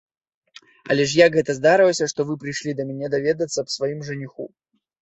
Але ж як гэта здарылася, што вы прыйшлі да мяне даведацца аб сваім жаніху?